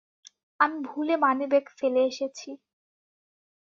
আমি ভুলে মানিব্যাগ ফেলে এসেছি।